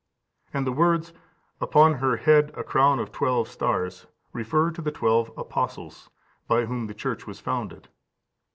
And the words, "upon her head a crown of twelve stars," refer to the twelve apostles by whom the Church was founded.